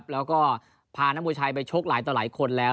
แล้วก็พาน้ำมือชายไปชกหลายคนแล้ว